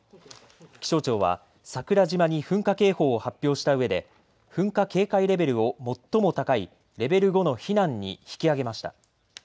気象庁は桜島に噴火警報を発表したうえで噴火警戒レベルを最も高いレベル５の避難に引き上げました。